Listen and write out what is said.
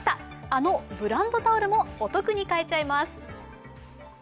あのブランドタオルもお得に買えちゃいます。